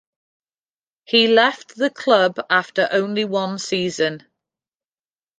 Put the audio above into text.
He left the club after only one season.